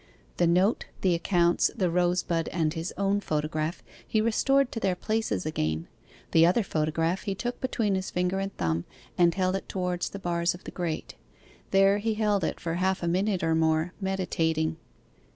The note, the accounts, the rosebud, and his own photograph, he restored to their places again. The other photograph he took between his finger and thumb, and held it towards the bars of the grate. There he held it for half a minute or more, meditating.